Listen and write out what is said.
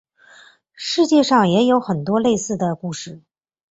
世界上也有很多类似的故事。